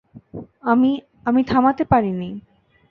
আমি-আমি থামাতে পারিনি।